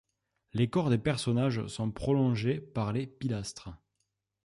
Les corps des personnages sont prolongés par les pilastres.